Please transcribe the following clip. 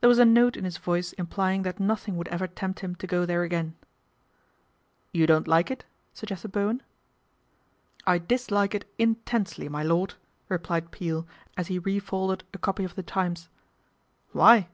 There was a note in his voice implying that nothing would ever tempt him to go there again GALVIN HOUSE AFTER THE RAID 283 ' You don't like it ?" suggested Bowen. 1 I dislike it intensely, my lord," replied Peel as he refolded a copy of The Times. " Why